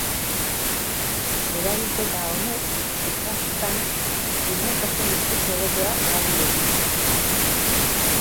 Eragiketa honek zifraketan linealtasunik ez egotea ahalbidetzen du.